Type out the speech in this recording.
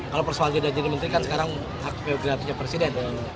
kalau persoalannya sudah jadi menteri kan sekarang hak biografi nya presiden